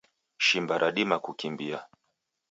Shimba radima kukimbia.